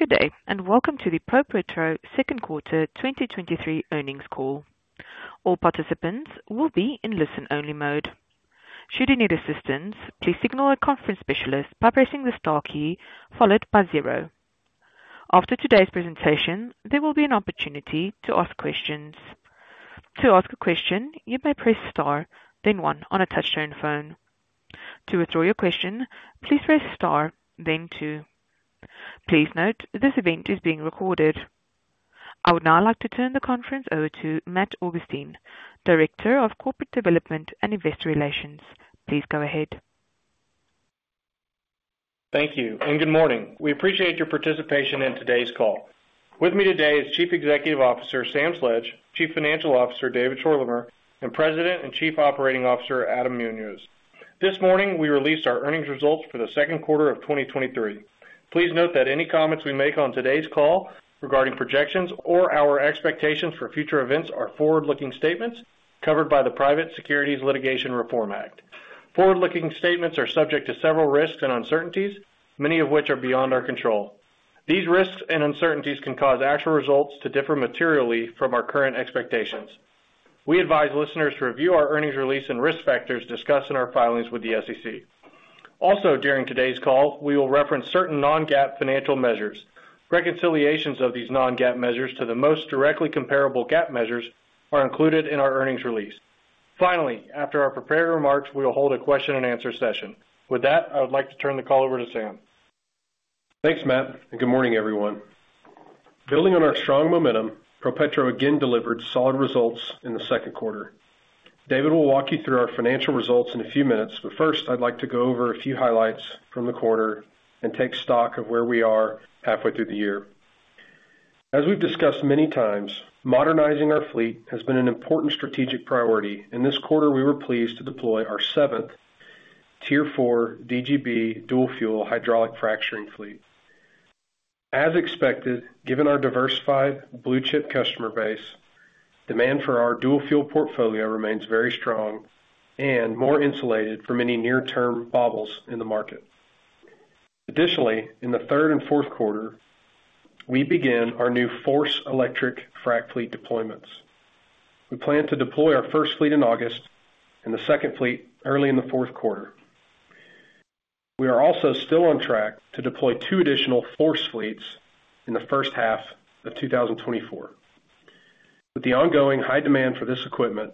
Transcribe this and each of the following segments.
Good day, welcome to the ProPetro second quarter 2023 earnings call. All participants will be in listen-only mode. Should you need assistance, please signal a conference specialist by pressing the star key followed by zero. After today's presentation, there will be an opportunity to ask questions. To ask a question, you may press star, then one on a touchtone phone. To withdraw your question, please press star, then two. Please note, this event is being recorded. I would now like to turn the conference over to Matt Augustine, Director of Corporate Development and Investor Relations. Please go ahead. Thank you. Good morning. We appreciate your participation in today's call. With me today is Chief Executive Officer, Sam Sledge, Chief Financial Officer, David Schorlemer, and President and Chief Operating Officer, Adam Munoz. This morning, we released our earnings results for the second quarter of 2023. Please note that any comments we make on today's call regarding projections or our expectations for future events are forward-looking statements covered by the Private Securities Litigation Reform Act. Forward-looking statements are subject to several risks and uncertainties, many of which are beyond our control. These risks and uncertainties can cause actual results to differ materially from our current expectations. We advise listeners to review our earnings release and risk factors discussed in our filings with the SEC. Also, during today's call, we will reference certain non-GAAP financial measures. Reconciliations of these non-GAAP measures to the most directly comparable GAAP measures are included in our earnings release. Finally, after our prepared remarks, we will hold a question-and-answer session. With that, I would like to turn the call over to Sam. Thanks, Matt. Good morning, everyone. Building on our strong momentum, ProPetro again delivered solid results in the second quarter. David will walk you through our financial results in a few minutes. First, I'd like to go over a few highlights from the quarter and take stock of where we are halfway through the year. As we've discussed many times, modernizing our fleet has been an important strategic priority. This quarter, we were pleased to deploy our seventh Tier IV DGB dual fuel hydraulic fracturing fleet. As expected, given our diversified blue-chip customer base, demand for our dual fuel portfolio remains very strong and more insulated from any near-term wobbles in the market. Additionally, in the third and fourth quarter, we begin our new FORCE electric frac fleet deployments. We plan to deploy our first fleet in August and the second fleet early in the fourth quarter. We are also still on track to deploy two additional FORCE fleets in the first half of 2024. With the ongoing high demand for this equipment,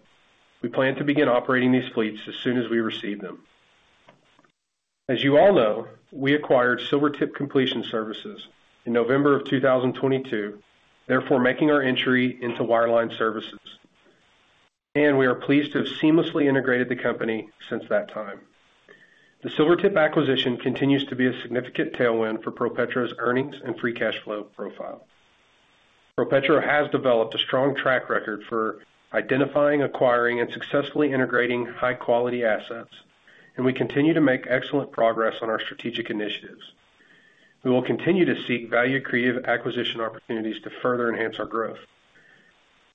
we plan to begin operating these fleets as soon as we receive them. As you all know, we acquired Silvertip Completion Services in November of 2022, therefore, making our entry into wireline services, and we are pleased to have seamlessly integrated the company since that time. The Silvertip acquisition continues to be a significant tailwind for Free Cash Flow profile. ProPetro has developed a strong track record for identifying, acquiring, and successfully integrating high-quality assets, and we continue to make excellent progress on our strategic initiatives. We will continue to seek value-creative acquisition opportunities to further enhance our growth.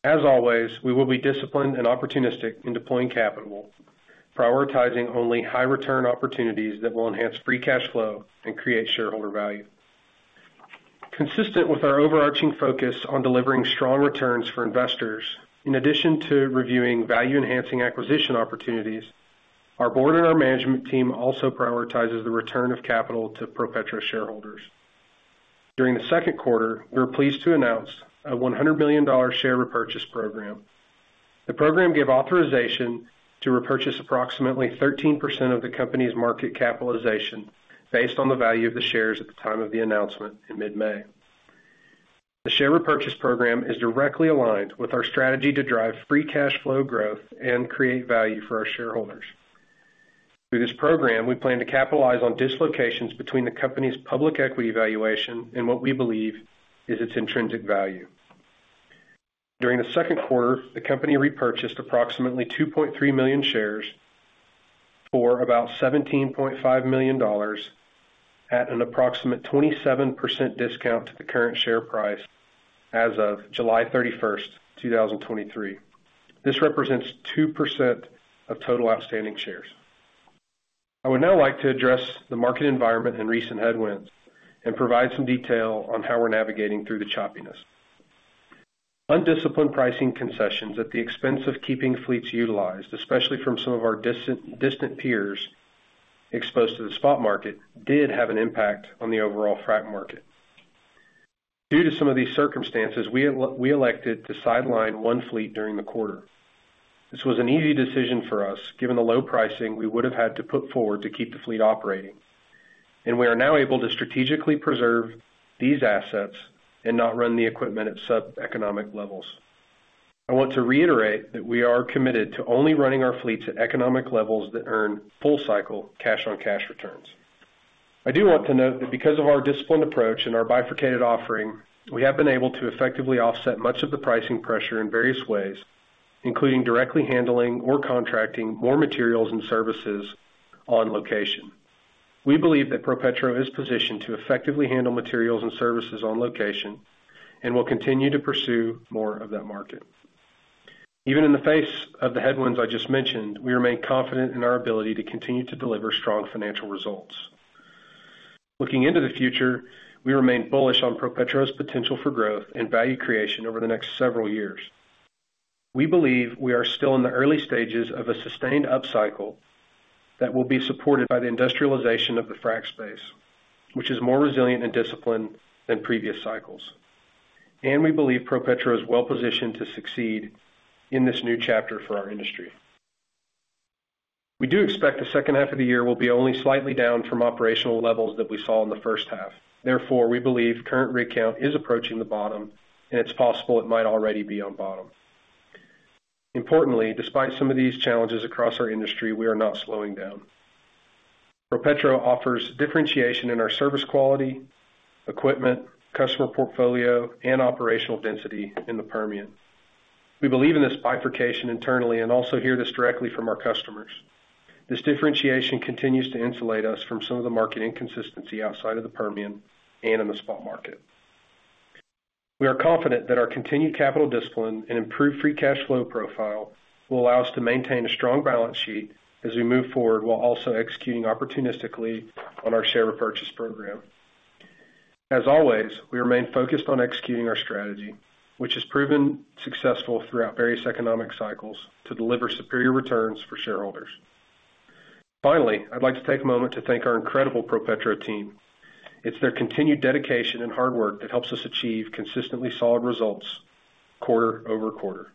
As always, we will be disciplined and opportunistic in deploying capital, prioritizing only high return opportunities Free Cash Flow and create shareholder value. Consistent with our overarching focus on delivering strong returns for investors, in addition to reviewing value-enhancing acquisition opportunities, our board and our management team also prioritizes the return of capital to ProPetro shareholders. During the second quarter, we were pleased to announce a $100 million share repurchase program. The program gave authorization to repurchase approximately 13% of the company's market capitalization, based on the value of the shares at the time of the announcement in mid-May. The share repurchase program is directly aligned with our strategy to drive Free Cash Flow growth and create value for our shareholders. Through this program, we plan to capitalize on dislocations between the company's public equity valuation and what we believe is its intrinsic value. During the second quarter, the company repurchased approximately 2.3 million shares for about $17.5 million at an approximate 27% discount to the current share price as of July 31st, 2023. This represents 2% of total outstanding shares. I would now like to address the market environment and recent headwinds and provide some detail on how we're navigating through the choppiness. Undisciplined pricing concessions at the expense of keeping fleets utilized, especially from some of our distant, distant peers exposed to the spot market, did have an impact on the overall frac market. Due to some of these circumstances, we elected to sideline one fleet during the quarter. This was an easy decision for us, given the low pricing we would have had to put forward to keep the fleet operating. We are now able to strategically preserve these assets and not run the equipment at sub-economic levels. I want to reiterate that we are committed to only running our fleets at economic levels that earn full cycle cash-on-cash returns. I do want to note that because of our disciplined approach and our bifurcated offering, we have been able to effectively offset much of the pricing pressure in various ways, including directly handling or contracting more materials and services on location. We believe that ProPetro is positioned to effectively handle materials and services on location and will continue to pursue more of that market. Even in the face of the headwinds I just mentioned, we remain confident in our ability to continue to deliver strong financial results. Looking into the future, we remain bullish on ProPetro's potential for growth and value creation over the next several years. We believe we are still in the early stages of a sustained upcycle that will be supported by the industrialization of the frac space, which is more resilient and disciplined than previous cycles. We believe ProPetro is well-positioned to succeed in this new chapter for our industry. We do expect the second half of the year will be only slightly down from operational levels that we saw in the first half. Therefore, we believe current rig count is approaching the bottom, and it's possible it might already be on bottom. Importantly, despite some of these challenges across our industry, we are not slowing down. ProPetro offers differentiation in our service quality, equipment, customer portfolio, and operational density in the Permian. We believe in this bifurcation internally and also hear this directly from our customers. This differentiation continues to insulate us from some of the market inconsistency outside of the Permian and in the spot market. We are confident that our continued capital discipline and improved Free Cash Flow profile will allow us to maintain a strong balance sheet as we move forward, while also executing opportunistically on our share repurchase program. As always, we remain focused on executing our strategy, which has proven successful throughout various economic cycles, to deliver superior returns for shareholders. Finally, I'd like to take a moment to thank our incredible ProPetro team. It's their continued dedication and hard work that helps us achieve consistently solid results quarter-over-quarter.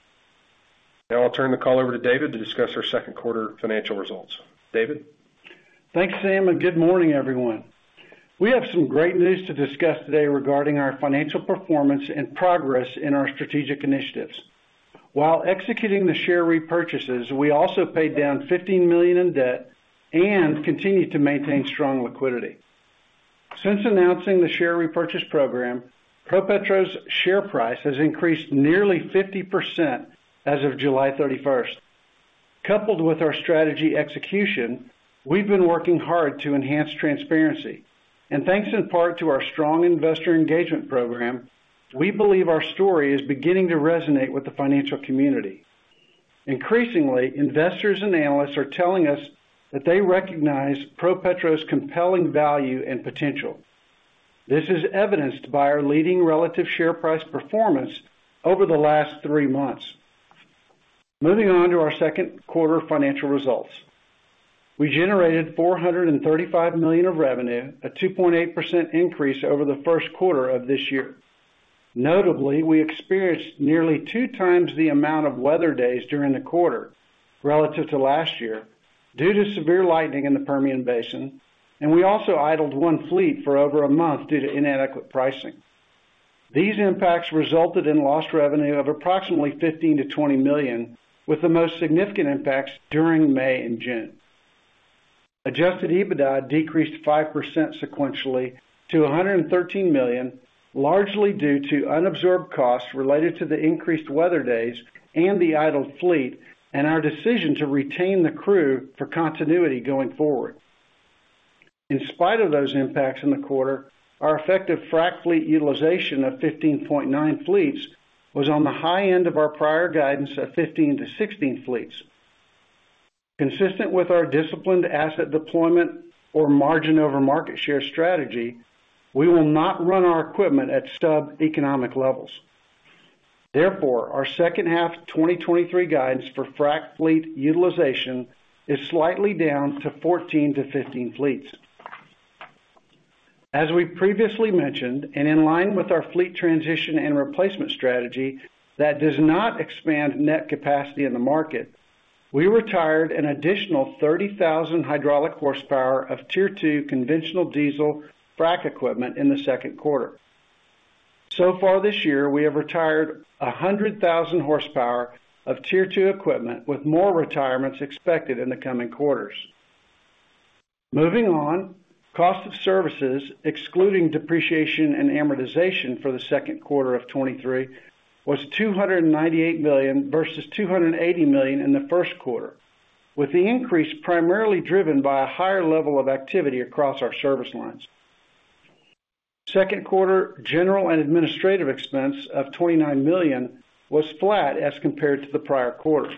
Now I'll turn the call over to David to discuss our second quarter financial results. David? Thanks, Sam. Good morning, everyone. We have some great news to discuss today regarding our financial performance and progress in our strategic initiatives. While executing the share repurchases, we also paid down $15 million in debt and continued to maintain strong liquidity. Since announcing the share repurchase program, ProPetro's share price has increased nearly 50% as of July 31st. Coupled with our strategy execution, we've been working hard to enhance transparency, and thanks in part to our strong investor engagement program, we believe our story is beginning to resonate with the financial community. Increasingly, investors and analysts are telling us that they recognize ProPetro's compelling value and potential. This is evidenced by our leading relative share price performance over the last three months. Moving on to our second quarter financial results. We generated $435 million of revenue, a 2.8% increase over the first quarter of this year. Notably, we experienced nearly 2x the amount of weather days during the quarter relative to last year due to severe lightning in the Permian Basin, and we also idled one fleet for over a month due to inadequate pricing. These impacts resulted in lost revenue of approximately $15 million-$20 million, with the most significant impacts during May and June. Adjusted EBITDA decreased 5% sequentially to $113 million, largely due to unabsorbed costs related to the increased weather days and the idled fleet, and our decision to retain the crew for continuity going forward. In spite of those impacts in the quarter, our effective frack fleet utilization of 15.9 fleets was on the high end of our prior guidance of 15 fleets-16 fleets. Consistent with our disciplined asset deployment or margin over market share strategy, we will not run our equipment at sub-economic levels. Therefore, our second half 2023 guidance for frack fleet utilization is slightly down to 14 fleets-15 fleets. As we previously mentioned, and in line with our fleet transition and replacement strategy that does not expand net capacity in the market, we retired an additional 30,000 hydraulic horsepower of Tier II conventional diesel frack equipment in the second quarter. Far this year, we have retired 100,000 horsepower of Tier II equipment, with more retirements expected in the coming quarters. Moving on, cost of services, excluding depreciation and amortization for the second quarter of 2023, was $298 million versus $280 million in the first quarter, with the increase primarily driven by a higher level of activity across our service lines. Second quarter general and administrative expense of $29 million was flat as compared to the prior quarter.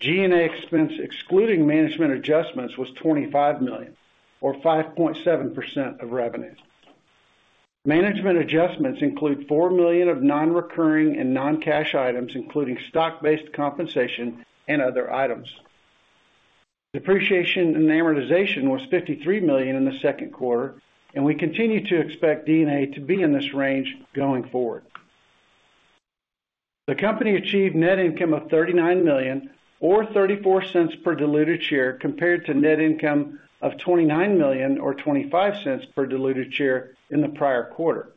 G&A expense, excluding management adjustments, was $25 million, or 5.7% of revenue. Management adjustments include $4 million of non-recurring and non-cash items, including stock-based compensation and other items. Depreciation and amortization was $53 million in the second quarter, and we continue to expect D&A to be in this range going forward. The company achieved net income of $39 million, or $0.34 per diluted share, compared to net income of $29 million or $0.25 per diluted share in the prior quarter.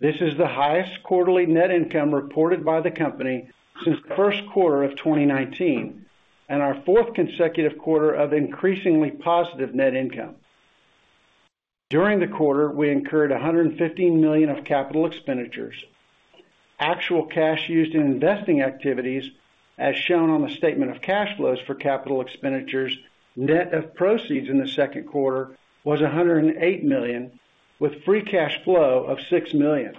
This is the highest quarterly net income reported by the company since the first quarter of 2019, and our fourth consecutive quarter of increasingly positive net income. During the quarter, we incurred $115 million of capital expenditures. Actual cash used in investing activities as shown on the statement of cash flows for capital expenditures, net of proceeds in the second quarter was $108 million with Free Cash Flow of $6 million.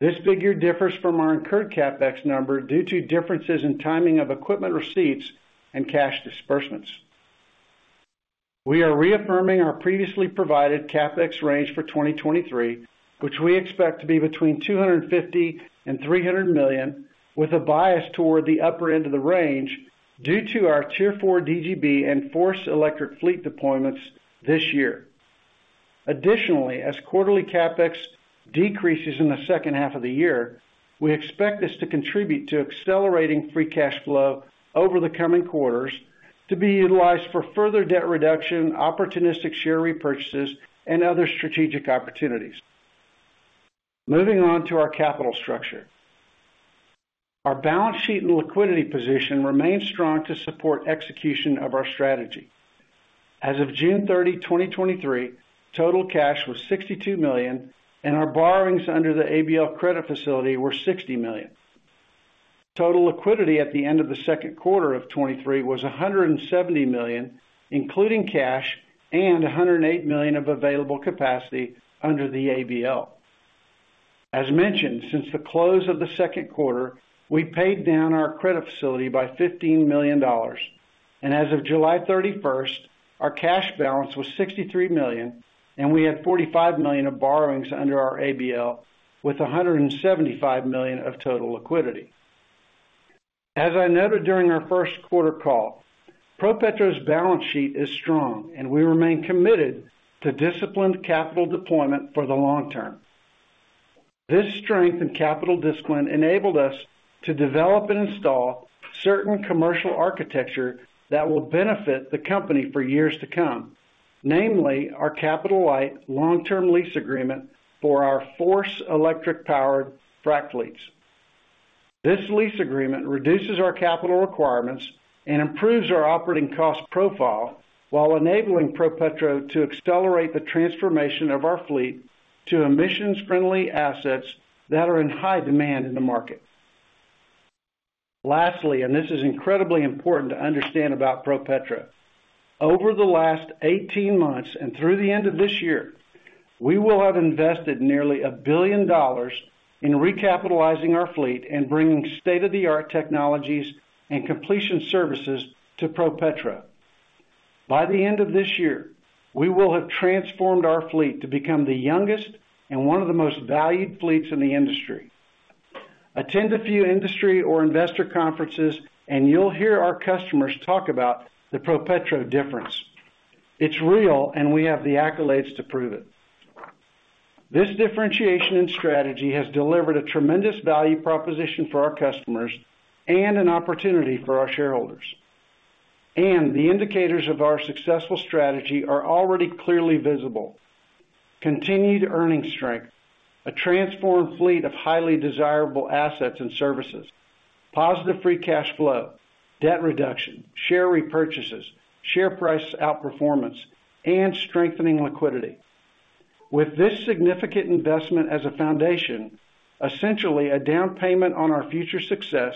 this figure differs from our incurred CapEx number due to differences in timing of equipment receipts and cash disbursements. We are reaffirming our previously provided CapEx range for 2023, which we expect to be between $250 million and $300 million, with a bias toward the upper end of the range due to our Tier IV DGB and FORCE electric fleet deployments this year. Additionally, as quarterly CapEx decreases in the second half of the year, we expect this to contribute to accelerating Free Cash Flow over the coming quarters to be utilized for further debt reduction, opportunistic share repurchases, and other strategic opportunities. Moving on to our capital structure. Our balance sheet and liquidity position remain strong to support execution of our strategy. As of June 30, 2023, total cash was $62 million, and our borrowings under the ABL Credit Facility were $60 million. Total liquidity at the end of the second quarter of 2023 was $170 million, including cash and $108 million of available capacity under the ABL. As mentioned, since the close of the second quarter, we paid down our credit facility by $15 million, as of July 31st, our cash balance was $63 million, we had $45 million of borrowings under our ABL, with $175 million of total liquidity. As I noted during our first quarter call, ProPetro's balance sheet is strong, we remain committed to disciplined capital deployment for the long term. This strength in capital discipline enabled us to develop and install certain commercial architecture that will benefit the company for years to come, namely our capital-light long-term lease agreement for our FORCE electric-powered frac fleets. This lease agreement reduces our capital requirements and improves our operating cost profile, while enabling ProPetro to accelerate the transformation of our fleet to emissions-friendly assets that are in high demand in the market. Lastly, this is incredibly important to understand about ProPetro, over the last 18 months, and through the end of this year, we will have invested nearly $1 billion in recapitalizing our fleet and bringing state-of-the-art technologies and completion services to ProPetro. By the end of this year, we will have transformed our fleet to become the youngest and one of the most valued fleets in the industry. Attend a few industry or investor conferences, and you'll hear our customers talk about the ProPetro difference. It's real, and we have the accolades to prove it. This differentiation in strategy has delivered a tremendous value proposition for our customers and an opportunity for our shareholders. The indicators of our successful strategy are already clearly visible: continued earnings strength, a transformed fleet of highly desirable assets and and services, positive Free Cash Flow, debt reduction, share repurchases, share price outperformance, and strengthening liquidity. With this significant investment as a foundation, essentially a down payment on our future success,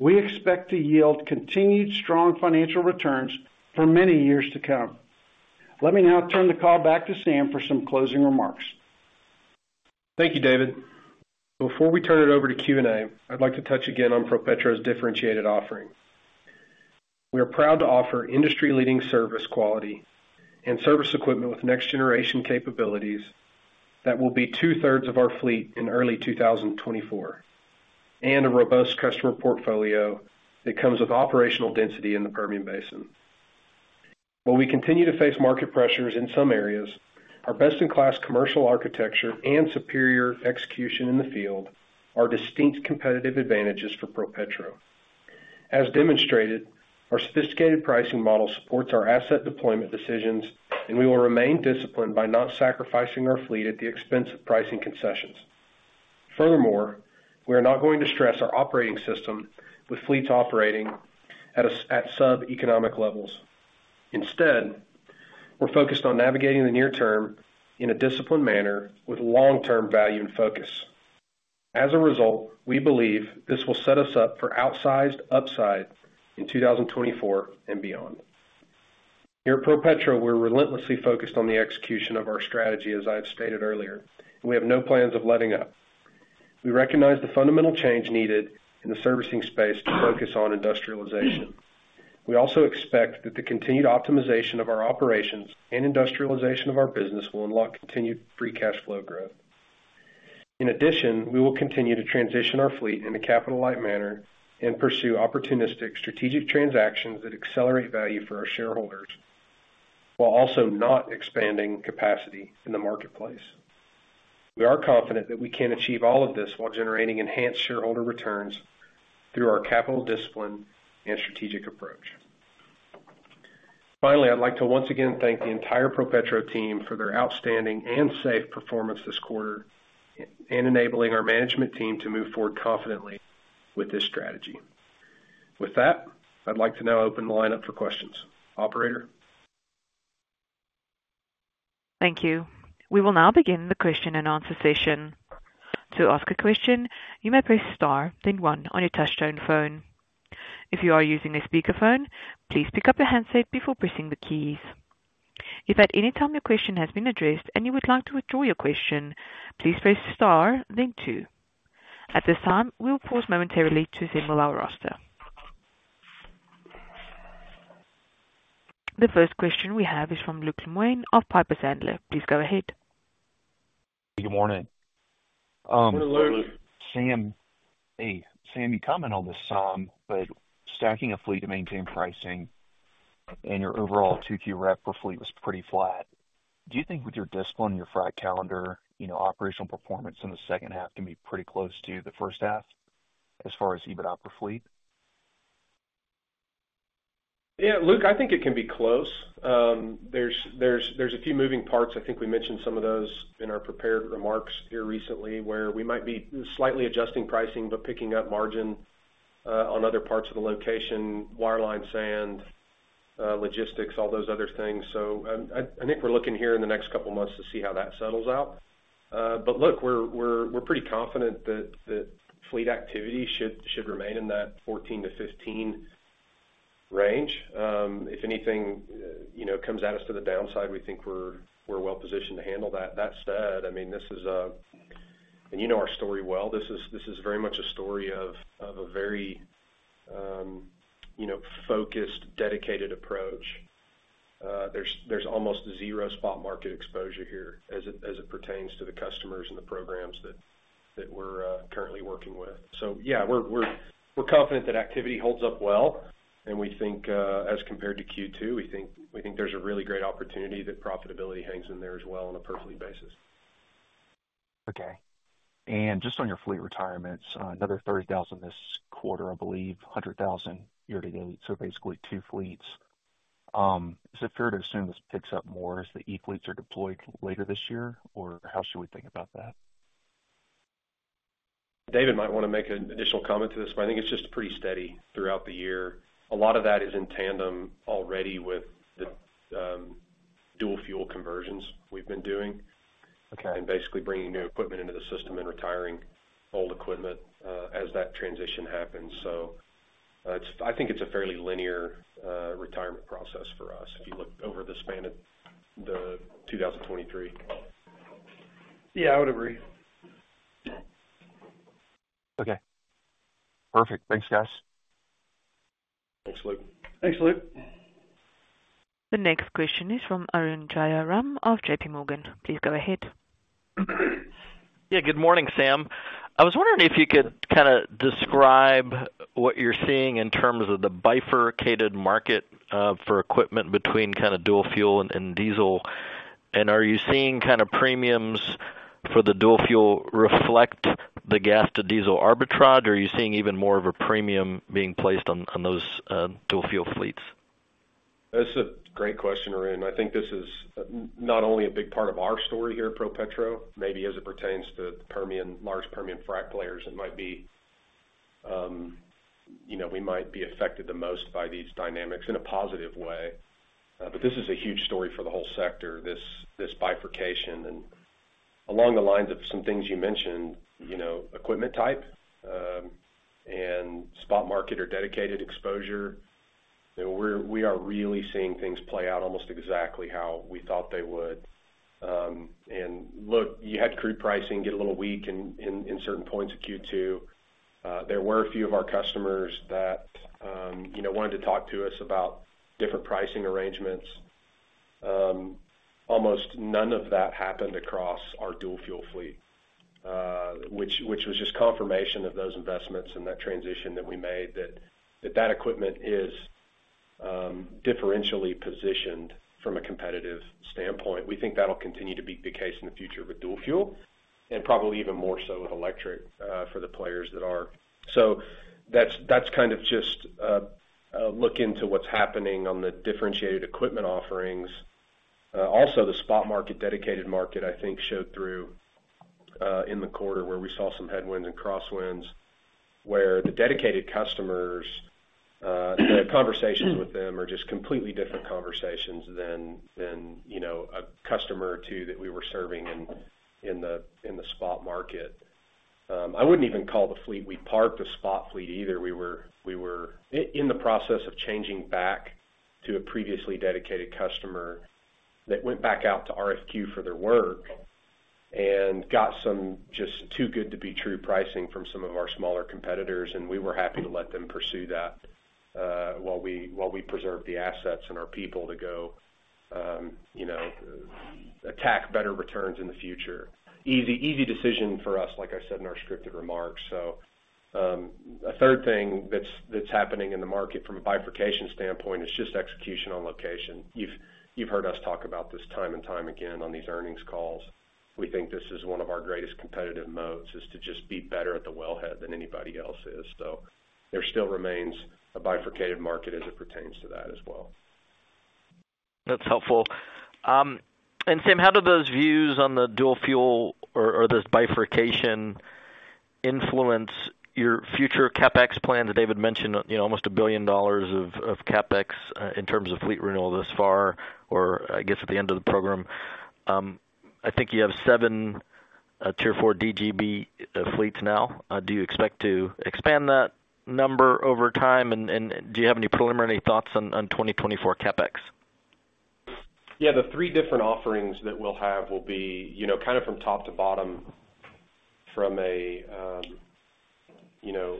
we expect to yield continued strong financial returns for many years to come. Let me now turn the call back to Sam for some closing remarks. Thank you, David. Before we turn it over to Q&A, I'd like to touch again on ProPetro's differentiated offering. We are proud to offer industry-leading service quality and service equipment with next-generation capabilities that will be two-thirds of our fleet in early 2024, and a robust customer portfolio that comes with operational density in the Permian Basin. While we continue to face market pressures in some areas, our best-in-class commercial architecture and superior execution in the field are distinct competitive advantages for ProPetro. As demonstrated, our sophisticated pricing model supports our asset deployment decisions, and we will remain disciplined by not sacrificing our fleet at the expense of pricing concessions. Furthermore, we are not going to stress our operating system with fleets operating at sub-economic levels. Instead, we're focused on navigating the near term in a disciplined manner with long-term value and focus. As a result, we believe this will set us up for outsized upside in 2024 and beyond. Here at ProPetro, we're relentlessly focused on the execution of our strategy, as I have stated earlier, and we have no plans of letting up. We recognize the fundamental change needed in the servicing space to focus on industrialization. We also expect that the continued optimization of our operations and industrialization of our business Free Cash Flow growth. in addition, we will continue to transition our fleet in a capital-light manner and pursue opportunistic strategic transactions that accelerate value for our shareholders, while also not expanding capacity in the marketplace. We are confident that we can achieve all of this while generating enhanced shareholder returns through our capital discipline and strategic approach. Finally, I'd like to once again thank the entire ProPetro team for their outstanding and safe performance this quarter, and enabling our management team to move forward confidently with this strategy. With that, I'd like to now open the line up for questions. Operator? Thank you. We will now begin the question-and-answer session. To ask a question, you may press star, then one on your touchtone phone. If you are using a speakerphone, please pick up your handset before pressing the keys. If at any time your question has been addressed and you would like to withdraw your question, please press star, then two. At this time, we will pause momentarily to assemble our roster. The first question we have is from Luke Lemoine of Piper Sandler. Please go ahead. Good morning. Good morning. Hey, Sam, you commented on this some, but stacking a fleet to maintain pricing and your overall two-tier rep per fleet was pretty flat. Do you think with your discipline, your frac calendar, you know, operational performance in the second half can be pretty close to the first half as far as EBITDA per fleet? Yeah, Luke, I think it can be close. There's, there's, there's a few moving parts. I think we mentioned some of those in our prepared remarks here recently, where we might be slightly adjusting pricing, but picking up margin, on other parts of the location, wireline, sand, logistics, all those other things. I, I think we're looking here in the next couple of months to see how that settles out. Look, we're, we're, we're pretty confident that that fleet activity should, should remain in that 14%-15% range. If anything, you know, comes at us to the downside, we think we're, we're well positioned to handle that. That said, I mean, this is and you know our story well. This is, this is very much a story of, of a very, you know, focused, dedicated approach. There's, there's almost zero spot market exposure here as it, as it pertains to the customers and the programs that, that we're currently working with. Yeah, we're, we're, we're confident that activity holds up well, and we think, as compared to Q2, we think, we think there's a really great opportunity that profitability hangs in there as well on a per fleet basis. Okay. Just on your fleet retirements, another 30,000 this quarter, I believe, 100,000 year to date, so basically two fleets. Is it fair to assume this picks up more as the e-fleets are deployed later this year, or how should we think about that? David might want to make an additional comment to this. I think it's just pretty steady throughout the year. A lot of that is in tandem already with the dual fuel conversions we've been doing. Okay. Basically bringing new equipment into the system and retiring old equipment, as that transition happens. I think it's a fairly linear retirement process for us if you look over the span of 2023. Yeah, I would agree. Okay. Perfect. Thanks, guys. Thanks, Luke. Thanks, Luke. The next question is from Arun Jayaram of JPMorgan. Please go ahead. Yeah, good morning, Sam. I was wondering if you could kind of describe what you're seeing in terms of the bifurcated market, for equipment between kind of dual fuel and, and diesel. Are you seeing kind of premiums for the dual fuel reflect the gas to diesel arbitrage, or are you seeing even more of a premium being placed on, on those, dual fuel fleets? That's a great question, Arun. I think this is not only a big part of our story here at ProPetro, maybe as it pertains to the Permian, large Permian frac players, it might be, you know, we might be affected the most by these dynamics in a positive way. This is a huge story for the whole sector, this, this bifurcation. Along the lines of some things you mentioned, you know, equipment type, and spot market or dedicated exposure, we are really seeing things play out almost exactly how we thought they would. Look, you had crude pricing get a little weak in, in, in certain points of Q2. There were a few of our customers that, you know, wanted to talk to us about different pricing arrangements. Almost none of that happened across our dual fuel fleet, which was just confirmation of those investments and that transition that we made, that equipment is differentially positioned from a competitive standpoint. We think that'll continue to be the case in the future with dual fuel and probably even more so with electric, for the players that are... That's, that's kind of just a, a look into what's happening on the differentiated equipment offerings. The spot market, dedicated market, I think, showed through in the quarter where we saw some headwinds and crosswinds, where the dedicated customers, conversations with them are just completely different conversations than, you know, a customer or two that we were serving in the spot market. I wouldn't even call the fleet. We parked the spot fleet either. We were in the process of changing back to a previously dedicated customer that went back out to RFQ for their work and got some just too-good-to-be-true pricing from some of our smaller competitors, and we were happy to let them pursue that while we, while we preserved the assets and our people to go, you know, attack better returns in the future. Easy, easy decision for us, like I said in our scripted remarks. A third thing that's, that's happening in the market from a bifurcation standpoint is just execution on location. You've, you've heard us talk about this time and time again on these earnings calls. We think this is one of our greatest competitive moats, is to just be better at the wellhead than anybody else is. There still remains a bifurcated market as it pertains to that as well. That's helpful. Sam, how do those views on the dual fuel or, or this bifurcation influence your future CapEx plan that David mentioned, almost $1 billion of CapEx in terms of fleet renewal thus far, or I guess, at the end of the program. I think you have seven Tier IV DGB fleets now. Do you expect to expand that number over time? Do you have any preliminary thoughts on 2024 CapEx? Yeah, the three different offerings that we'll have will be, you know, kind of from top to bottom, from a, you know,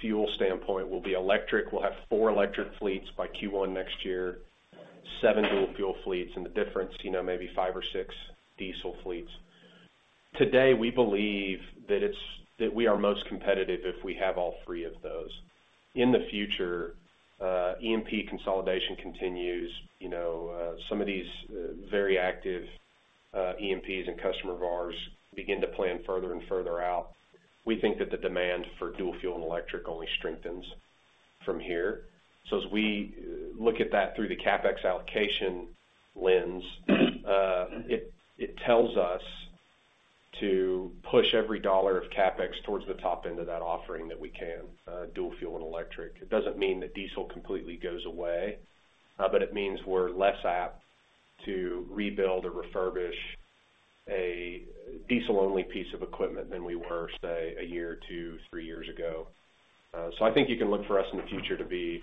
fuel standpoint, will be electric. We'll have three electric fleets by Q1 next year, seven dual-fuel fleets, and the difference, you know, maybe five or six diesel fleets. Today, we believe that it's that we are most competitive if we have all three of those. In the future, E&P consolidation continues, you know, some of these very active E&Ps and customer of ours begin to plan further and further out. We think that the demand for dual fuel and electric only strengthens from here. As we look at that through the CapEx allocation lens, it, it tells us to push every dollar of CapEx towards the top end of that offering that we can, dual fuel and electric. It doesn't mean that diesel completely goes away, but it means we're less apt to rebuild or refurbish a diesel-only piece of equipment than we were, say, a year or two, three years ago. I think you can look for us in the future to be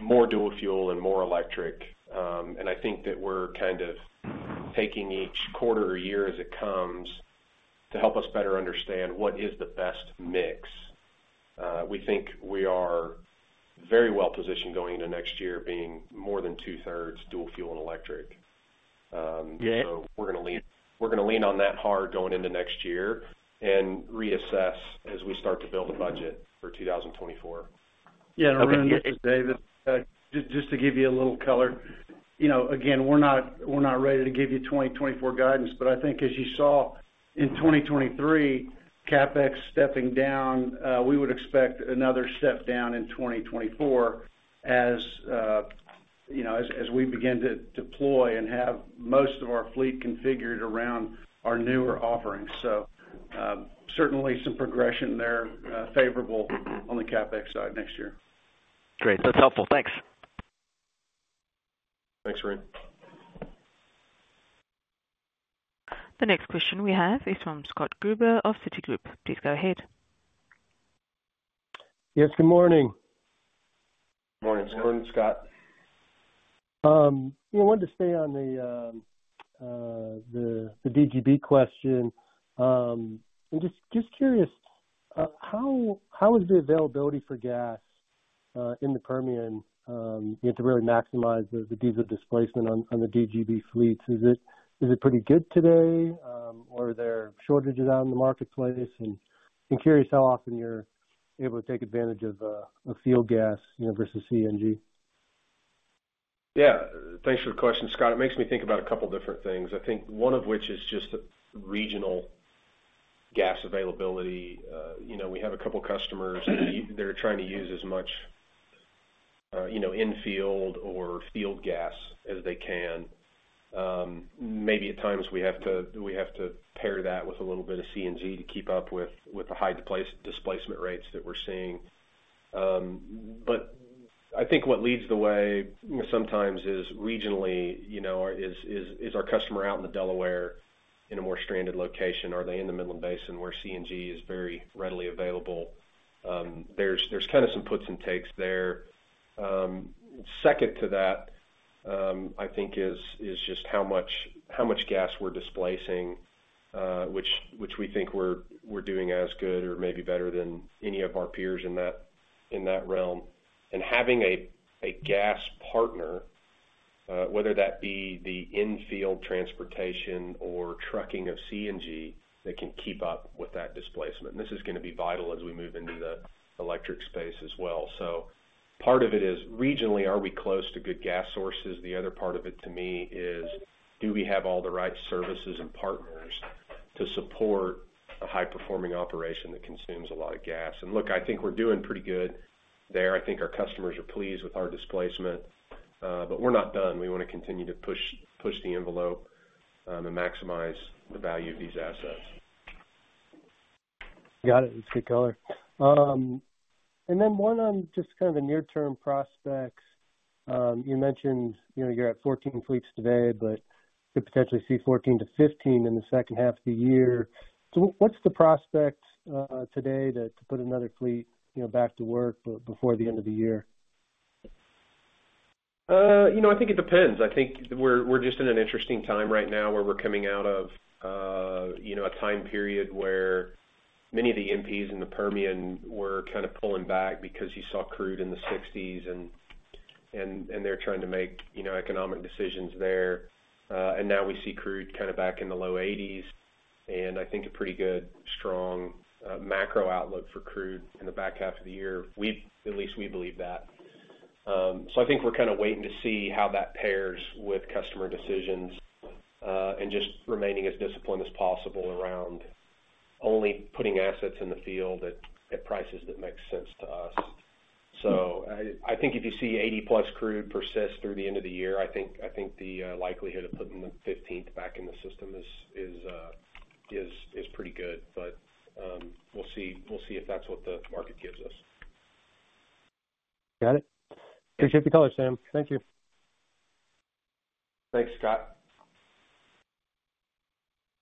more dual fuel and more electric. I think that we're kind of taking each quarter or year as it comes to help us better understand what is the best mix. We think we are very well positioned going into next year, being more than two-thirds dual fuel and electric. Yeah. We're gonna lean we're gonna lean on that hard going into next year and reassess as we start to build a budget for 2024. Okay. Yeah, Arun, this is David. Just to give you a little color, you know, again, we're not, we're not ready to give you 2024 guidance. I think as you saw in 2023, CapEx stepping down, we would expect another step down in 2024, as, you know, as we begin to deploy and have most of our fleet configured around our newer offerings. Certainly some progression there, favorable on the CapEx side next year. Great. That's helpful. Thanks. Thanks, Arun. The next question we have is from Scott Gruber of Citigroup. Please go ahead. Yes, good morning. Morning, Scott. Morning, Scott. I wanted to stay on the, the DGB question. I'm just, just curious, how, how is the availability for gas in the Permian, you have to really maximize the, the diesel displacement on, on the DGB fleets? Is it, is it pretty good today, or are there shortages out in the marketplace? I'm curious how often you're able to take advantage of field gas, you know, versus CNG. Yeah, thanks for the question, Scott. It makes me think about a couple different things. I think one of which is just the regional gas availability. you know, we have a couple of customers, they're trying to use as much, you know, in-field or field gas as they can. maybe at times we have to, we have to pair that with a little bit of CNG to keep up with, with the high displace- displacement rates that we're seeing. but I think what leads the way sometimes is regionally, you know, is, is, is our customer out in the Delaware in a more stranded location? Are they in the Midland Basin, where CNG is very readily available? there's, there's kind of some puts and takes there. Second to that, I think is, is just how much, how much gas we're displacing, which, which we think we're, we're doing as good or maybe better than any of our peers in that, in that realm. Having a gas partner, whether that be the in-field transportation or trucking of CNG, that can keep up with that displacement. This is gonna be vital as we move into the electric space as well. Part of it is, regionally, are we close to good gas sources? The other part of it, to me, is, do we have all the right services and partners to support a high-performing operation that consumes a lot of gas? Look, I think we're doing pretty good there. I think our customers are pleased with our displacement, but we're not done. We want to continue to push, push the envelope, and maximize the value of these assets. Got it. That's good color. Then one on just kind of the near-term prospects. You mentioned, you know, you're at 14 fleets today, but you could potentially see 14 fleets-15 fleets in the second half of the year. What, what's the prospect today, to put another fleet, you know, back to work before the end of the year? you know, I think it depends. I think we're, we're just in an interesting time right now, where we're coming out of, you know, a time period where many of the E&Ps in the Permian were kind of pulling back because you saw crude in the $60s, and, and, and they're trying to make, you know, economic decisions there. Now we see crude kind of back in the low $80s, and I think a pretty good, strong, macro outlook for crude in the back half of the year. At least we believe that. I think we're kind of waiting to see how that pairs with customer decisions, and just remaining as disciplined as possible around only putting assets in the field at, at prices that make sense to us. I, I think if you see 80+ crude persist through the end of the year, I think, I think the likelihood of putting the 15th back in the system is, is, is, is pretty good. We'll see, we'll see if that's what the market gives us. Got it. Appreciate the color, Sam. Thank you. Thanks, Scott.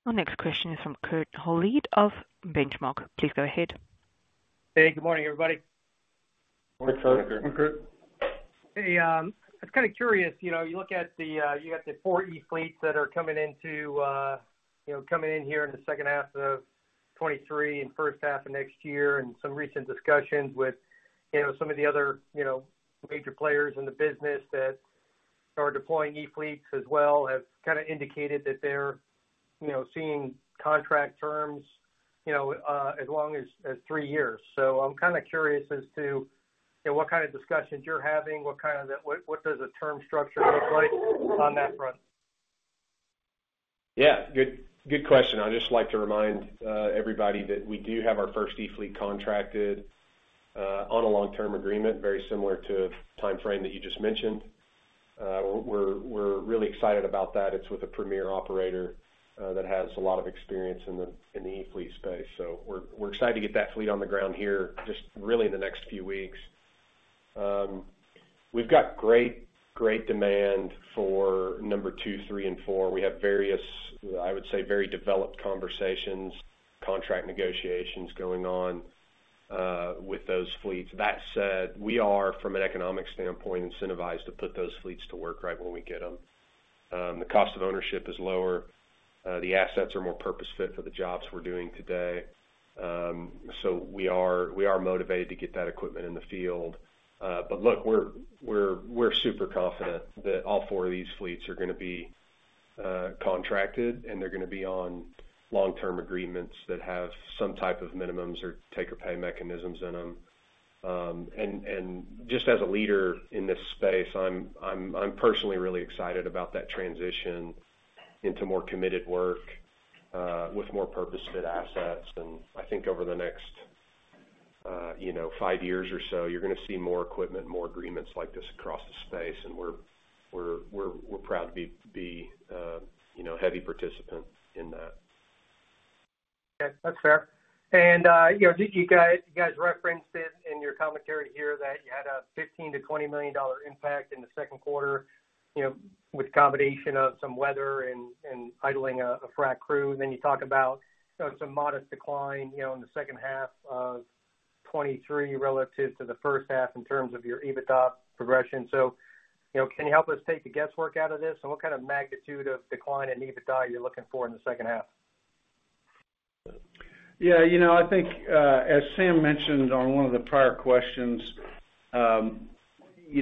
Our next question is from Kurt Hallead of Benchmark. Please go ahead. Hey, good morning, everybody. Good morning, Kurt. Good morning, Kurt. Hey, I was kind of curious, you know, you look at the, you got the four e-fleets that are coming into, you know, coming in here in the second half of 2023 and first half of next year, and some recent discussions with, you know, some of the other, you know, major players in the business that are deploying e-fleets as well, have kind of indicated that they're, you know, seeing contract terms, you know, as long as, as three years. I'm kind of curious as to, you know, what kind of discussions you're having, what, what does the term structure look like on that front? Yeah, good, good question. I'd just like to remind everybody that we do have our first e-fleet contracted on a long-term agreement, very similar to the timeframe that you just mentioned. We're, we're really excited about that. It's with a premier operator that has a lot of experience in the, in the e-fleet space. We're, we're excited to get that fleet on the ground here, just really in the next few weeks. We've got great, great demand for number two, three, and four. We have various, I would say, very developed conversations, contract negotiations going on with those fleets. That said, we are, from an economic standpoint, incentivized to put those fleets to work right when we get them. The cost of ownership is lower. The assets are more purpose-fit for the jobs we're doing today. we are, we are motivated to get that equipment in the field. Look, we're, we're, we're super confident that all four of these fleets are gonna be contracted, and they're gonna be on long-term agreements that have some type of minimums or take-or-pay mechanisms in them. Just as a leader in this space, I'm, I'm, I'm personally really excited about that transition into more committed work, with more purpose-fit assets. I think over the next, you know, five years or so, you're gonna see more equipment, more agreements like this across the space, and we're, we're, we're, we're proud to be, to be, you know, a heavy participant in that. Okay, that's fair. you know, you guys, you guys referenced it in your commentary here, that you had a $15 million-$20 million impact in the second quarter, you know, with a combination of some weather and, and idling a, a frac crew. you talk about, you know, it's a modest decline, you know, in the second half of 2023 relative to the first half in terms of your EBITDA progression. you know, can you help us take the guesswork out of this? what kind of magnitude of decline in EBITDA are you looking for in the second half? Yeah, you know, I think, as Sam mentioned on one of the prior questions, you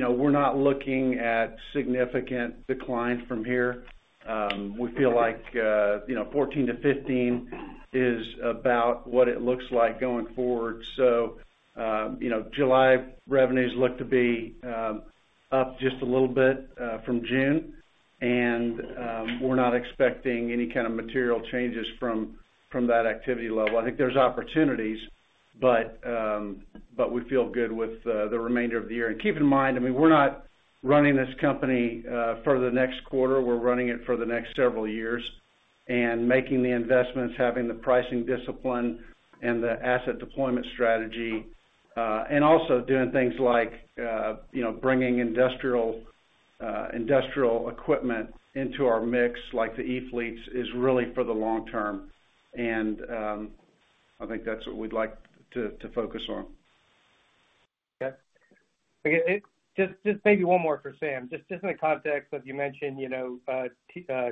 know, we're not looking at significant decline from here. We feel like, you know, 14-15 is about what it looks like going forward. You know, July revenues look to be up just a little bit from June, and we're not expecting any kind of material changes from, from that activity level. I think there's opportunities, but we feel good with the remainder of the year. Keep in mind, I mean, we're not running this company for the next quarter. We're running it for the next several years and making the investments, having the pricing discipline and the asset deployment strategy, and also doing things like, you know, bringing industrial, industrial equipment into our mix, like the e-fleets, is really for the long term. I think that's what we'd like to, to focus on. Okay. Again, just, just maybe one more for Sam. Just, just in the context of you mentioned, you know,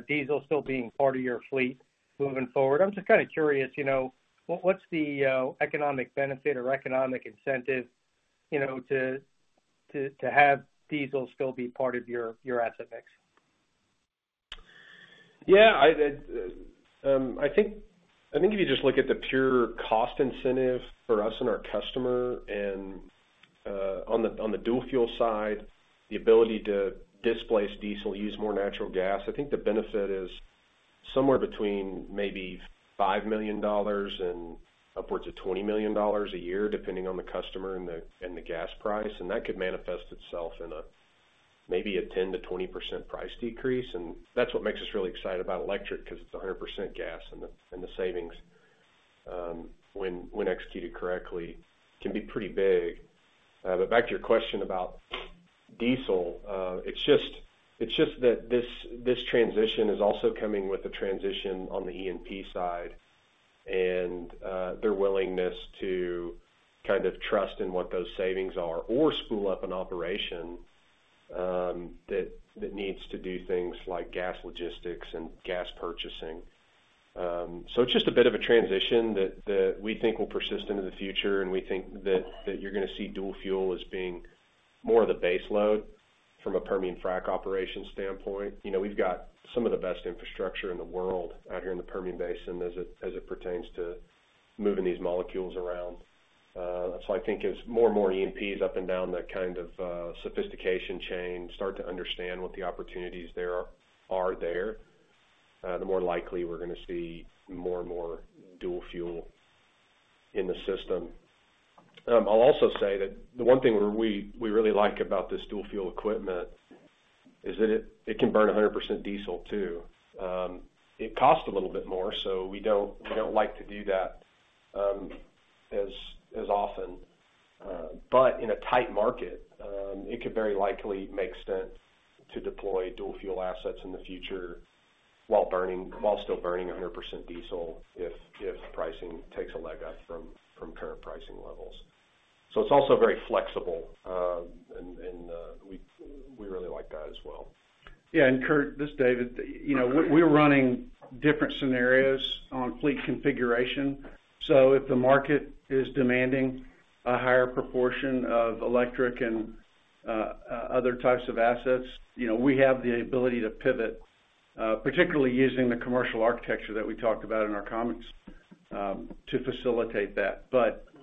diesel still being part of your fleet moving forward, I'm just kind of curious, you know, what, what's the economic benefit or economic incentive, you know, to have diesel still be part of your asset mix? Yeah, I think, I think if you just look at the pure cost incentive for us and our customer on the dual fuel side, the ability to displace diesel, use more natural gas, I think the benefit is somewhere between maybe $5 million and upwards of $20 million a year, depending on the customer and the gas price. That could manifest itself in a maybe a 10%-20% price decrease. That's what makes us really excited about electric, because it's 100% gas, and the savings, when executed correctly, can be pretty big. Back to your question about diesel, it's just, it's just that this, this transition is also coming with a transition on the E&P side and their willingness to kind of trust in what those savings are or spool up an operation that, that needs to do things like gas logistics and gas purchasing. It's just a bit of a transition that, that we think will persist into the future, and we think that, that you're gonna see dual fuel as being more of the base load from a Permian frac operation standpoint. You know, we've got some of the best infrastructure in the world out here in the Permian Basin as it, as it pertains to moving these molecules around. I think as more and more E&Ps up and down that kind of sophistication chain start to understand what the opportunities there are, are there. The more likely we're gonna see more and more dual fuel in the system. I'll also say that the one thing we, we really like about this dual fuel equipment is that it, it can burn 100% diesel, too. It costs a little bit more, so we don't, we don't like to do that as, as often. In a tight market, it could very likely make sense to deploy dual fuel assets in the future while burning, while still burning 100% diesel, if, if pricing takes a leg up from, from current pricing levels. It's also very flexible, and, and, we, we really like that as well. Yeah, Kurt, this is David. You know, we're running different scenarios on fleet configuration. If the market is demanding a higher proportion of electric and other types of assets, you know, we have the ability to pivot, particularly using the commercial architecture that we talked about in our comments, to facilitate that.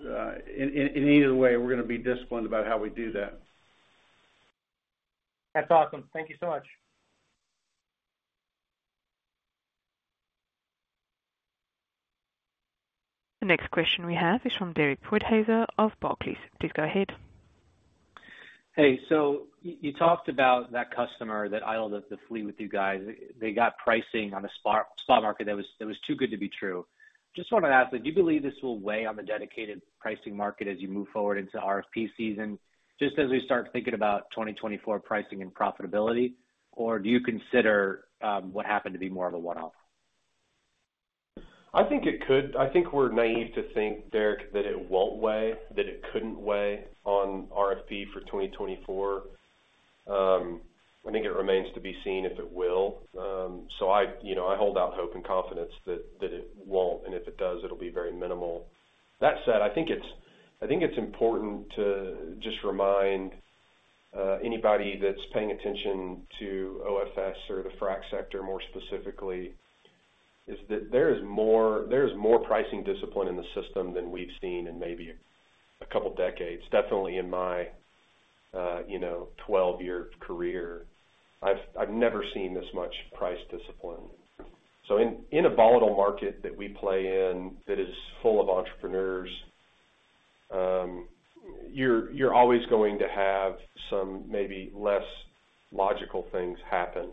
Either way, we're gonna be disciplined about how we do that. That's awesome. Thank you so much. The next question we have is from Derek Podhaizer of Barclays. Please go ahead. Hey, so you talked about that customer that idled the fleet with you guys. They got pricing on the spot market that was, that was too good to be true. Just want to ask, do you believe this will weigh on the dedicated pricing market as you move forward into RFP season, just as we start thinking about 2024 pricing and profitability? Or do you consider what happened to be more of a one-off? I think it could. I think we're naive to think, Derek, that it won't weigh, that it couldn't weigh on RFP for 2024. I think it remains to be seen if it will. I, you know, I hold out hope and confidence that, that it won't, and if it does, it'll be very minimal. That said, I think it's, I think it's important to just remind anybody that's paying attention to OFS or the frack sector, more specifically, is that there is more, there is more pricing discipline in the system than we've seen in maybe a couple of decades. Definitely in my, you know, 12-year career, I've, I've never seen this much price discipline. In, in a volatile market that we play in, that is full of entrepreneurs, you're, you're always going to have some maybe less logical things happen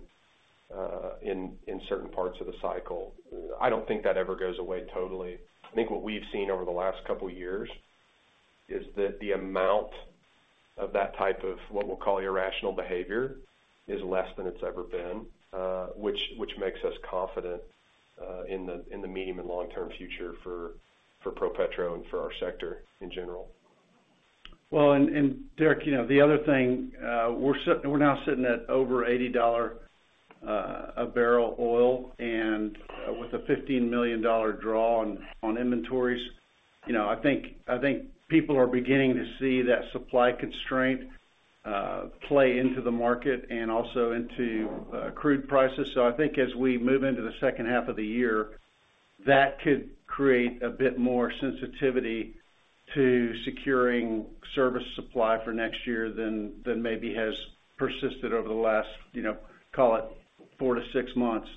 in, in certain parts of the cycle. I don't think that ever goes away totally. I think what we've seen over the last couple of years is that the amount of that type of, what we'll call irrational behavior, is less than it's ever been, which, which makes us confident in the, in the medium and long-term future for, for ProPetro and for our sector in general. Derek, you know, the other thing, we're now sitting at over $80, a barrel oil and with a $15 million draw on, on inventories. You know, I think, I think people are beginning to see that supply constraint, play into the market and also into, crude prices. I think as we move into the second half of the year, that could create a bit more sensitivity to securing service supply for next year than, than maybe has persisted over the last, you know, call it four, six months.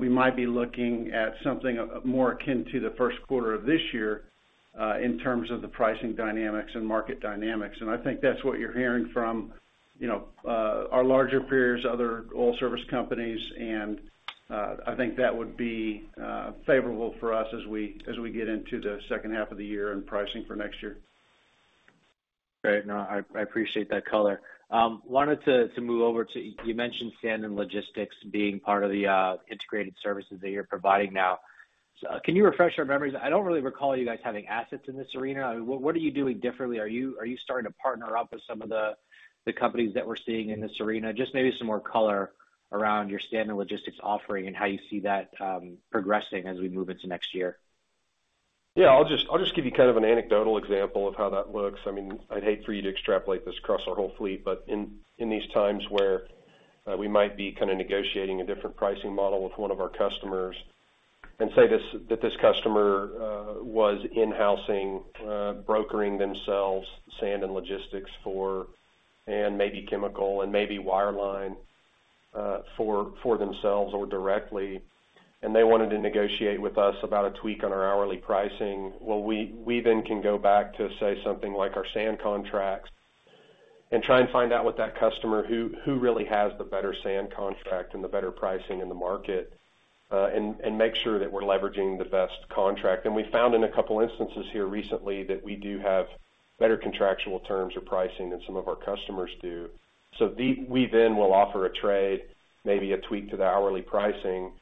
We might be looking at something more akin to the first quarter of this year, in terms of the pricing dynamics and market dynamics. I think that's what you're hearing from, you know, our larger peers, other oil service companies, and I think that would be favorable for us as we, as we get into the second half of the year and pricing for next year. Great. No, I, I appreciate that color. wanted to, to move over to. You mentioned sand and logistics being part of the integrated services that you're providing now. Can you refresh our memories? I don't really recall you guys having assets in this arena. What, what are you doing differently? Are you, are you starting to partner up with some of the, the companies that we're seeing in this arena? Just maybe some more color around your sand and logistics offering and how you see that, progressing as we move into next year. Yeah, I'll just, I'll just give you kind of an anecdotal example of how that looks. I mean, I'd hate for you to extrapolate this across our whole fleet, but in, in these times where we might be kind of negotiating a different pricing model with one of our customers, and say, this, that this customer was in-housing, brokering themselves, sand and logistics for, and maybe chemical and maybe wireline, for, for themselves or directly, and they wanted to negotiate with us about a tweak on our hourly pricing. Well, we, we then can go back to say something like our sand contracts and try and find out with that customer who, who really has the better sand contract and the better pricing in the market, and, and make sure that we're leveraging the best contract. We found in a couple instances here recently that we do have better contractual terms or pricing than some of our customers do. We then will offer a trade, maybe a tweak to the hourly pricing,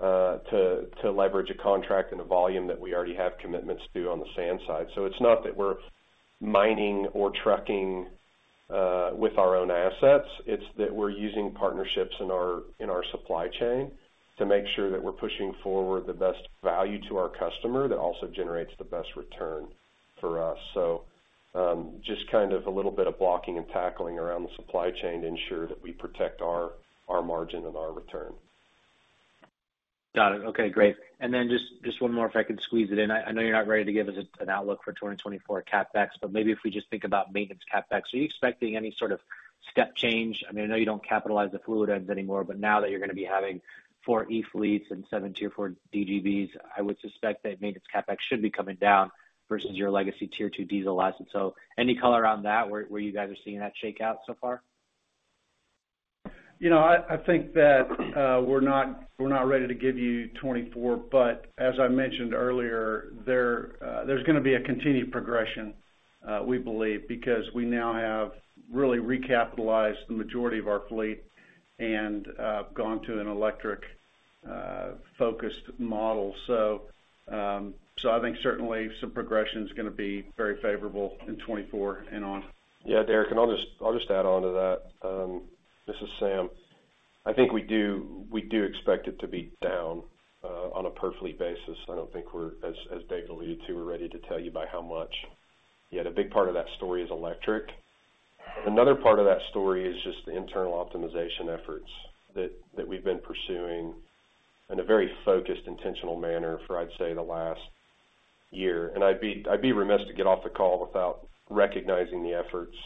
to leverage a contract and a volume that we already have commitments to on the sand side. It's not that we're mining or trucking with our own assets, it's that we're using partnerships in our, in our supply chain to make sure that we're pushing forward the best value to our customer, that also generates the best return for us. Just kind of a little bit of blocking and tackling around the supply chain to ensure that we protect our, our margin and our return. Got it. Okay, great. Then just, just one more, if I could squeeze it in. I know you're not ready to give us an outlook for 2024 CapEx, but maybe if we just think about maintenance CapEx, are you expecting any sort of step change? I mean, I know you don't capitalize the fluid ends anymore, but now that you're gonna be having four e-fleets and seven Tier IV DGBs, I would suspect that maintenance CapEx should be coming down versus your legacy Tier II diesel assets. Any color on that, where you guys are seeing that shake out so far? You know, I, I think that, we're not, we're not ready to give you 2024, but as I mentioned earlier, there, there's gonna be a continued progression, we believe, because we now have really recapitalized the majority of our fleet and, gone to an electric, focused model. So I think certainly some progression is gonna be very favorable in 2024 and on. Yeah, Derek, I'll just, I'll just add on to that. This is Sam. I think we do, we do expect it to be down on a per fleet basis. I don't think we're, as, as Dave alluded to, we're ready to tell you by how much. Yet a big part of that story is electric. Another part of that story is just the internal optimization efforts that, that we've been pursuing in a very focused, intentional manner for, I'd say, the last year. I'd be, I'd be remiss to get off the call without recognizing the efforts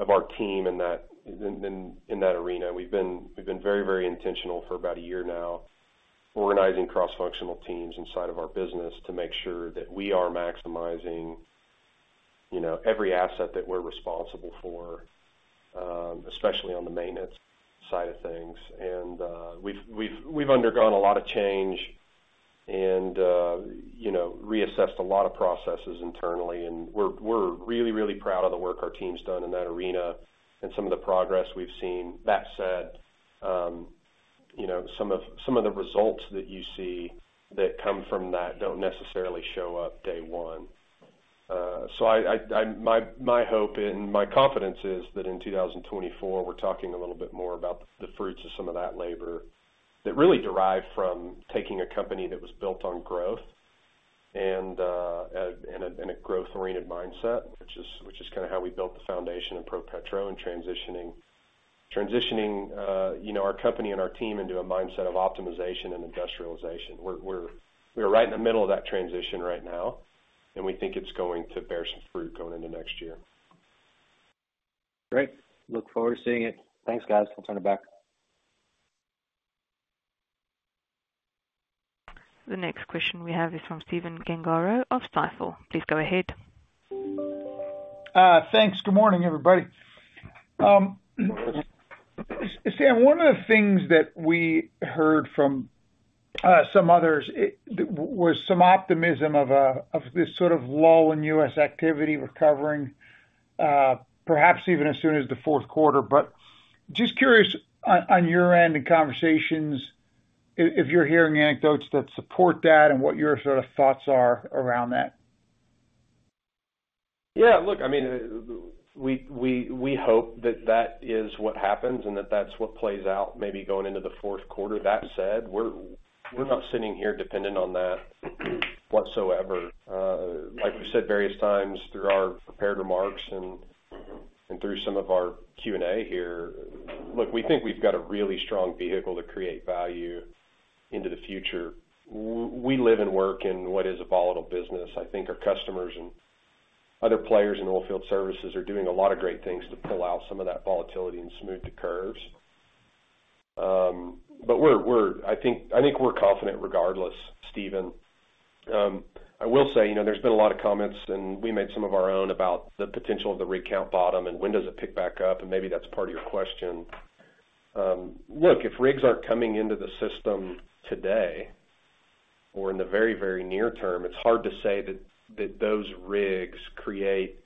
of our team in that arena. We've been, we've been very, very intentional for about a year now, organizing cross-functional teams inside of our business to make sure that we are maximizing, you know, every asset that we're responsible for, especially on the maintenance side of things. We've, we've, we've undergone a lot of change and, you know, reassessed a lot of processes internally, and we're, we're really, really proud of the work our team's done in that arena and some of the progress we've seen. That said, you know, some of, some of the results that you see that come from that don't necessarily show up day one. I, my hope and my confidence is that in 2024, we're talking a little bit more about the fruits of some of that labor, that really derived from taking a company that was built on growth and a, and a growth-oriented mindset, which is, which is kind of how we built the foundation of ProPetro and transitioning, transitioning, you know, our company and our team into a mindset of optimization and industrialization. We're right in the middle of that transition right now, and we think it's going to bear some fruit going into next year. Great. Look forward to seeing it. Thanks, guys. I'll turn it back. The next question we have is from Stephen Gengaro of Stifel. Please go ahead. Thanks. Good morning, everybody. Sam, one of the things that we heard from some others, it was some optimism of this sort of lull in U.S. activity recovering, perhaps even as soon as the fourth quarter. Just curious on your end in conversations, if you're hearing anecdotes that support that and what your sort of thoughts are around that? Yeah, look, I mean, we hope that that is what happens and that that's what plays out maybe going into the fourth quarter. That said, we're not sitting here dependent on that whatsoever. Like we've said various times through our prepared remarks and through some of our Q&A here, look, we think we've got a really strong vehicle to create value into the future. We live and work in what is a volatile business. I think our customers and other players in oilfield services are doing a lot of great things to pull out some of that volatility and smooth the curves. We're, I think, I think we're confident regardless, Steven. I will say, you know, there's been a lot of comments, and we made some of our own, about the potential of the rig count bottom and when does it pick back up, and maybe that's part of your question. Look, if rigs aren't coming into the system today or in the very, very near term, it's hard to say that, that those rigs create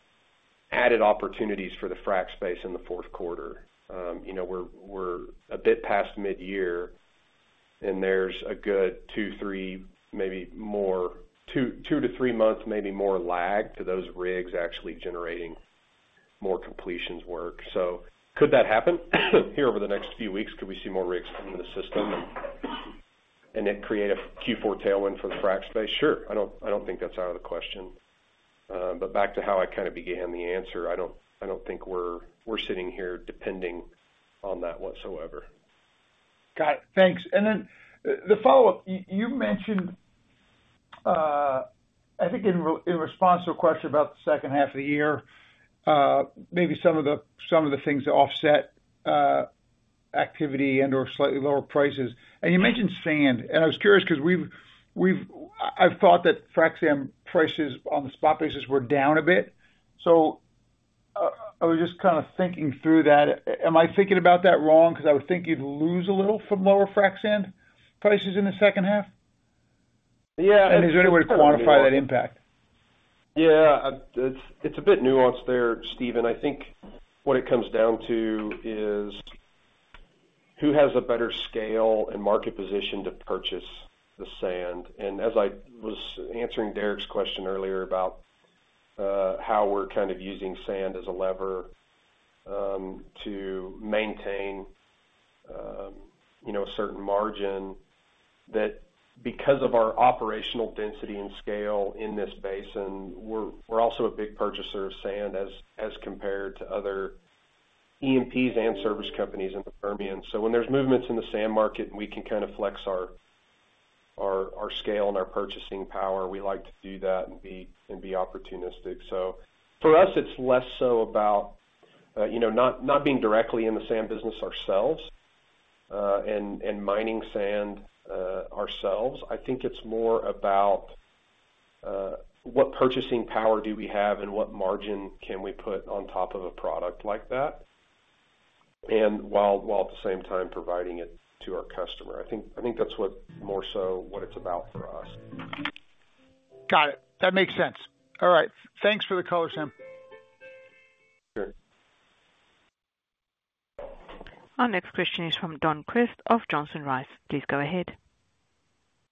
added opportunities for the frac space in the fourth quarter. You know, we're, we're a bit past midyear, and there's a good two, three, maybe more... Two, two to three months, maybe more lag to those rigs actually generating more completions work. Could that happen? Here over the next few weeks, could we see more rigs come in the system, and it create a Q4 tailwind for the frac space? Sure. I don't, I don't think that's out of the question. Back to how I kind of began the answer, I don't, I don't think we're, we're sitting here depending on that whatsoever. Got it. Thanks. Then the follow-up, you mentioned, I think in response to a question about the second half of the year, maybe some of the, some of the things to offset, activity and/or slightly lower prices. You mentioned sand, and I was curious 'cause we've, I've thought that frac sand prices on the spot prices were down a bit. I was just kind of thinking through that. Am I thinking about that wrong? Because I would think you'd lose a little from lower frac sand prices in the second half. Yeah. Is there any way to quantify that impact? Yeah, it's, it's a bit nuanced there, Steven. I think what it comes down to is, who has a better scale and market position to purchase the sand? As I was answering Derek's question earlier about, how we're kind of using sand as a lever, to maintain, you know, a certain margin that because of our operational density and scale in this basin, we're, we're also a big purchaser of sand as, as compared to other E&Ps and service companies in the Permian. When there's movements in the sand market, we can kind of flex our, our, our scale and our purchasing power. We like to do that and be, and be opportunistic. For us, it's less so about, you know, not, not being directly in the sand business ourselves, and, and mining sand, ourselves. I think it's more about, what purchasing power do we have, and what margin can we put on top of a product like that, and while, while at the same time providing it to our customer. I think, I think that's what more so what it's about for us. Got it. That makes sense. All right. Thanks for the color, Sam. Sure. Our next question is from Don Crist of Johnson Rice. Please go ahead.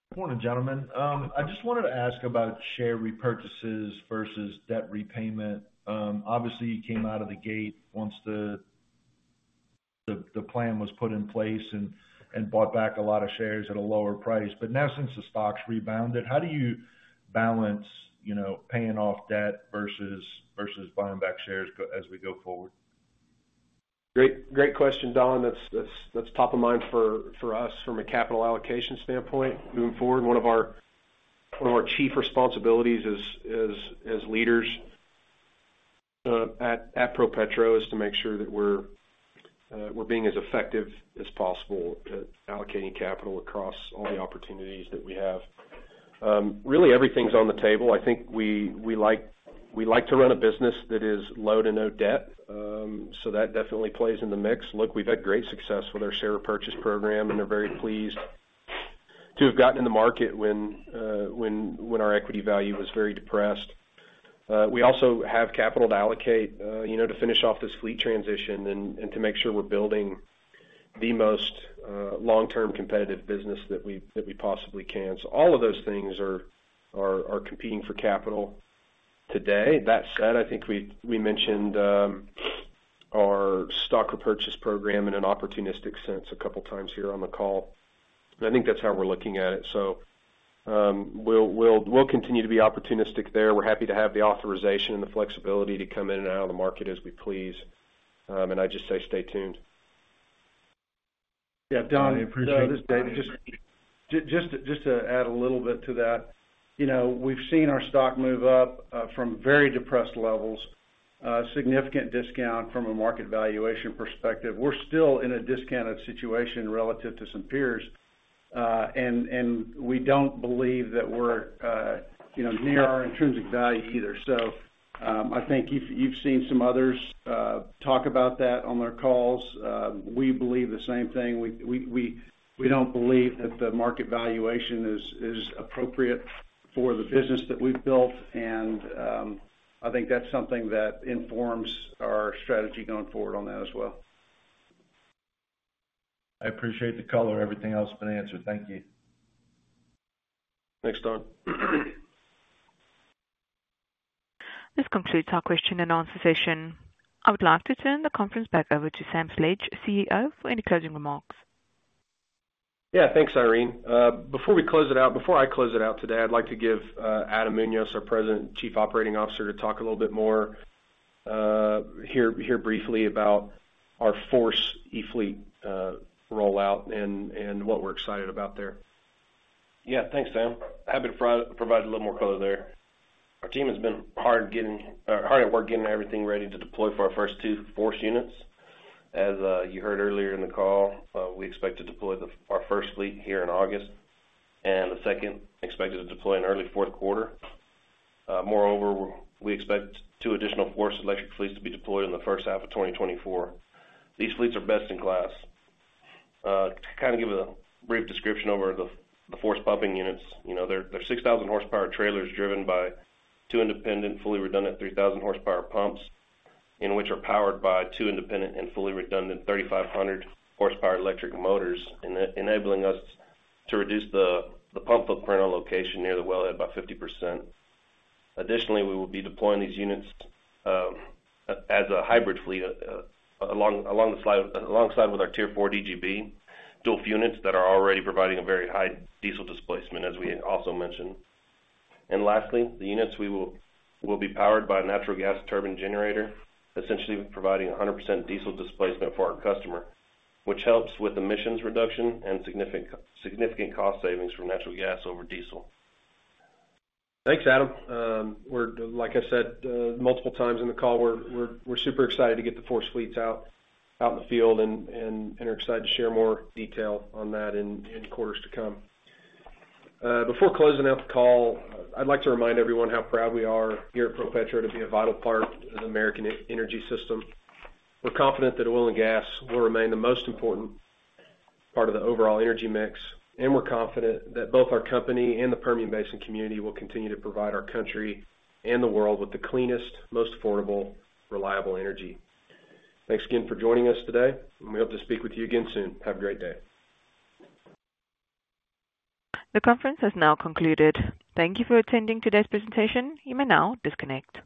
Good morning, gentlemen. I just wanted to ask about share repurchases versus debt repayment. obviously, you came out of the gate once the plan was put in place and bought back a lot of shares at a lower price. now, since the stock's rebounded, how do you balance, you know, paying off debt versus buying back shares as we go forward? Great, great question, Don. That's, that's, that's top of mind for, for us from a capital allocation standpoint. Moving forward, one of our, one of our chief responsibilities as, as, as leaders at, at ProPetro is to make sure that we're, we're being as effective as possible at allocating capital across all the opportunities that we have. Really, everything's on the table. I think we, we like, we like to run a business that is low to no debt, so that definitely plays in the mix. Look, we've had great success with our share purchase program, and we're very pleased to have gotten in the market when, when, when our equity value was very depressed. We also have capital to allocate, you know, to finish off this fleet transition and, and to make sure we're building the most long-term competitive business that we, that we possibly can. All of those things are, are, are competing for capital today. That said, I think we, we mentioned our stock repurchase program in an opportunistic sense a couple of times here on the call. I think that's how we're looking at it. We'll, we'll, we'll continue to be opportunistic there. We're happy to have the authorization and the flexibility to come in and out of the market as we please. I'd just say, stay tuned. Yeah, Don, this is David. Just to add a little bit to that, you know, we've seen our stock move up from very depressed levels, significant discount from a market valuation perspective. We're still in a discounted situation relative to some peers, and we don't believe that we're, you know, near our intrinsic value either. I think you've seen some others talk about that on their calls. We believe the same thing. We don't believe that the market valuation is appropriate for the business that we've built, and I think that's something that informs our strategy going forward on that as well. I appreciate the color. Everything else has been answered. Thank you. Thanks, Don. This concludes our question and answer session. I would like to turn the conference back over to Sam Sledge, CEO, for any closing remarks. Yeah, thanks, Irene. Before we close it out, before I close it out today, I'd like to give Adam Munoz, our President and Chief Operating Officer, to talk a little bit more, here, here briefly about our FORCE e-fleet rollout and, and what we're excited about there. Yeah, thanks, Sam. Happy to provide a little more color there. Our team has been hard at work, getting everything ready to deploy for our first two FORCE units. As you heard earlier in the call, we expect to deploy our first fleet here in August, and the second, expected to deploy in early fourth quarter. Moreover, we expect two additional FORCE electric fleets to be deployed in the first half of 2024. These fleets are best in class. To kind of give a brief description over the FORCE pumping units, you know, they're 6,000 horsepower trailers driven by two independent, fully redundant 3,000 horsepower pumps, and which are powered by two independent and fully redundant 3,500 horsepower electric motors, enabling us to reduce the pump footprint on location near the wellhead by 50%. Additionally, we will be deploying these units as a hybrid fleet alongside with our Tier IV DGB, dual units that are already providing a very high diesel displacement, as we also mentioned. Lastly, the units will be powered by a natural gas turbine generator, essentially providing a 100% diesel displacement for our customer, which helps with emissions reduction and significant, significant cost savings from natural gas over diesel. Thanks, Adam. We're like I said, multiple times in the call, we're, we're, we're super excited to get the FORCE fleets out, out in the field and, and, and are excited to share more detail on that in, in quarters to come. Before closing out the call, I'd like to remind everyone how proud we are here at ProPetro to be a vital part of the American energy system. We're confident that oil and gas will remain the most important part of the overall energy mix. We're confident that both our company and the Permian Basin community will continue to provide our country and the world with the cleanest, most affordable, reliable energy. Thanks again for joining us today. We hope to speak with you again soon. Have a great day. The conference has now concluded. Thank you for attending today's presentation. You may now disconnect.